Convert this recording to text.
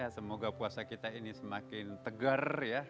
semoga puasa kita ini semakin tegar ya